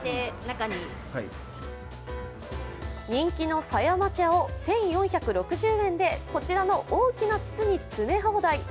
人気の狭山茶を１４６０円でこちらの大きな筒に詰め放題。